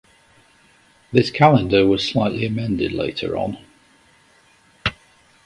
This calendar was slightly amended later on.